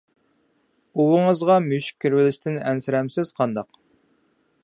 ئۇۋىڭىزغا مۈشۈك كىرىۋېلىشتىن ئەنسىرەمسىز قانداق؟